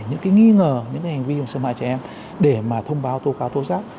những nghi ngờ những hành vi xâm hại trẻ em để thông báo tố cáo tố giác